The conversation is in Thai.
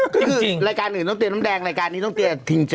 ก็คือรายการอื่นต้องเตรียมน้ำแดงรายการนี้ต้องเตรียมทิงเจ